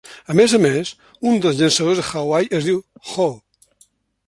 A més a més, un dels llançadors de Hawaii es diu Ho.